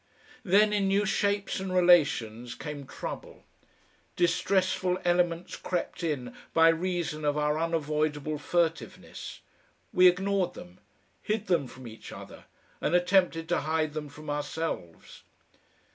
Then in new shapes and relations came trouble. Distressful elements crept in by reason of our unavoidable furtiveness; we ignored them, hid them from each other, and attempted to hide them from ourselves.